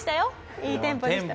いいテンポでした。